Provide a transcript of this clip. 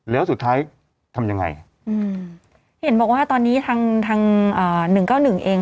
แล้วสุดท้ายทำยังไงเห็นบอกว่าตอนนี้ทาง๑๙๑เอง